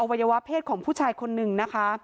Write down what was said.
วัยวะเพศของผู้ชายคนนึงนะคะ